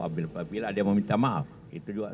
apabila dia meminta maaf itu juga